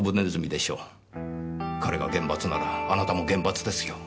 彼が厳罰ならあなたも厳罰ですよ。